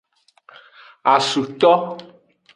Asuto.